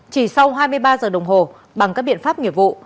chỉ sau hai mươi ba giờ đồng hồ bằng các biện pháp nghiệp vụ